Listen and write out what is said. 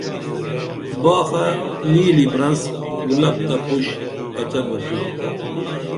باخہ نِلی برنس گُلپ تہ پُش کچہ بہ تو